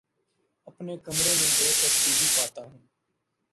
اپنے کمرے میں بے ترتیبی پاتا ہوں